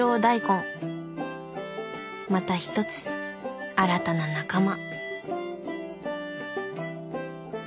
また一つ新たな仲間。